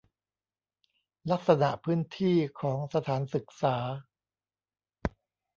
ลักษณะพื้นที่ของสถานศึกษา